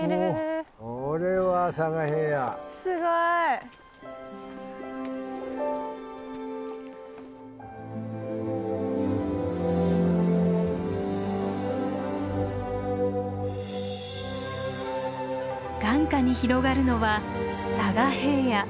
あ眼下に広がるのは佐賀平野。